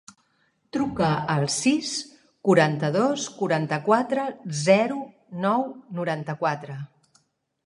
Truca al sis, quaranta-dos, quaranta-quatre, zero, nou, noranta-quatre.